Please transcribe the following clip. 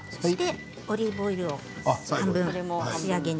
オリーブオイルを半分に仕上げに。